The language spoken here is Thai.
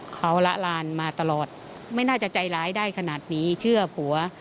เขาละลานมาตลอดไม่น่าจะใจร้ายได้ขนาดนี้เชื่อผัว